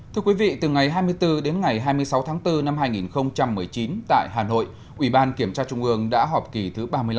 thưa quý vị từ ngày hai mươi bốn đến ngày hai mươi sáu tháng bốn năm hai nghìn một mươi chín tại hà nội ủy ban kiểm tra trung ương đã họp kỳ thứ ba mươi năm